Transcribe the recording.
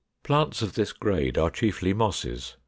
Plants of this grade are chiefly Mosses.